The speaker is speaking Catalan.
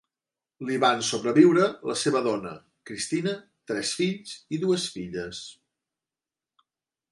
Li van sobreviure la seva dona, Cristina, tres fills i dues filles.